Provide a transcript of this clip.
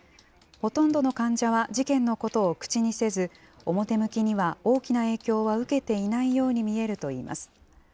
ほとんどの患者は事件のことを口にせず、表向きには大きな影響は受けていないように見えるといいます。